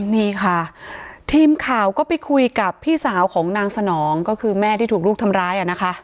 นี่ค่ะทีมข่าวก็ไปคุยกับพี่สาวของนางสนองก็คือแม่ที่ถูกลูกทำร้ายอ่ะนะคะ